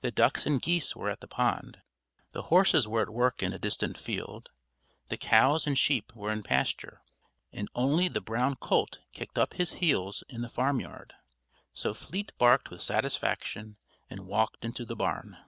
The ducks and geese were at the pond, the horses were at work in a distant field, the cows and sheep were in pasture, and only the brown colt kicked up his heels in the farmyard; so Fleet barked with satisfaction, and walked into the barn.